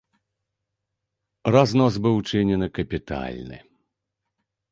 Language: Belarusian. Разнос быў учынены капітальны.